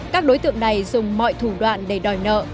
các đối tượng này dùng mọi thủ đoạn để đòi nợ